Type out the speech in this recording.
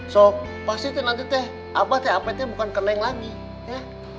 so pasti nanti teh abah teh apetnya bukan ke neng lagi ya